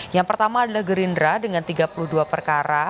yang pertama adalah gerindra dengan tiga puluh dua perkara